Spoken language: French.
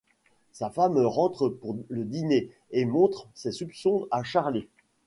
Sa femme rentre pour le dîner et montre ses soupçons à Charley.